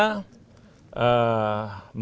mandat yang diberikan adalah menguasai